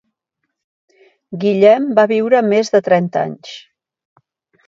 Guillem va viure més de trenta anys.